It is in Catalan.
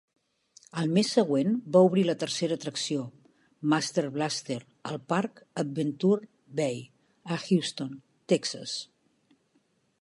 El mes següent va obrir la tercera atracció Master Blaster al parc Adventure Bay a Houston, Texas.